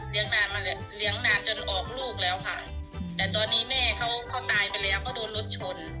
นานมาเลยเลี้ยงนานจนออกลูกแล้วค่ะแต่ตอนนี้แม่เขาเขาตายไปแล้วเขาโดนรถชน